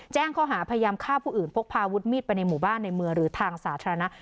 แจ้งข้อหาพยายามฆ่าผู้อื่นพกพาวุฒิมีดไปในหมู่บ้านในเมืองหรือทางสาธารณะ